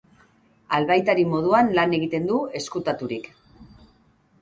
Albaitari moduan lan egiten du ezkutaturik.